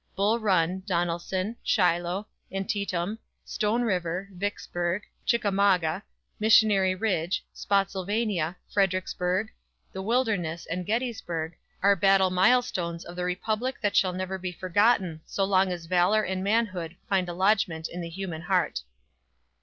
Bull Run, Donelson, Shiloh, Antietam, Stone River, Vicksburg, Chickamauga, Missionary Ridge, Spottsylvania, Fredericksburg, the Wilderness, and Gettysburg, are battle milestones of the Republic that shall never be forgotten so long as valor and manhood find a lodgment in the human heart.